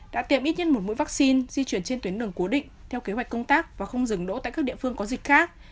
đã tiêm ít nhất một mũi vaccine di chuyển trên tuyến đường cố định theo kế hoạch công tác và không dừng đỗ tại các địa phương có dịch khác